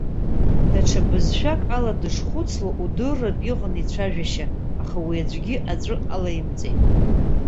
Даҽа бызшәак ала дышхәыцло удырратә иҟан ицәажәашьа, аха уи аӡәгьы аҵәы алаимҵеит.